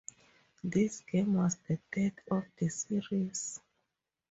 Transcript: This game was the third of the series.